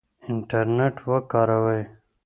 انټرنیټ وکاروئ.